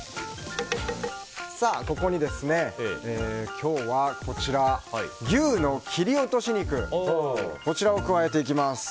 ここに今日は牛の切り落とし肉を加えていきます。